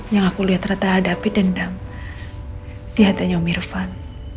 yang aku liat rata ada api dendam di hatinya om irfan